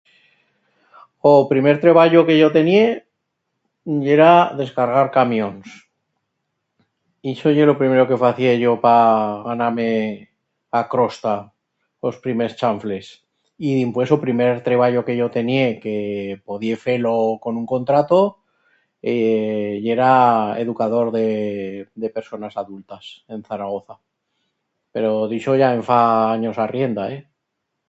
O primer treballo que yo tenié yera descargar camions. Ixo ye lo primero que facié yo pa ganar-me a crosta... os primers chanfles. Y dimpués o primer treballo que yo tenié que podié fer-lo con un contrato ee yera educador de... de personas adultas, en Zaragoza. Pero d'ixo ya en fa anyos arrienda, eh.